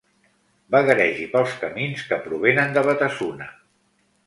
Vagaregi pels camins que provenen de Batasuna.